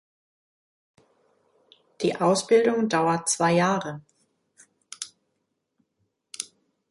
Die Ausbildung dauert zwei Jahre.